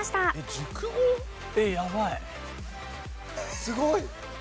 すごい！